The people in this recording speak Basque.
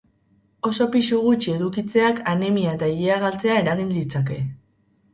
Oso pisu gutxi edukitzeak anemia eta ilea galtzea eragin ditzake.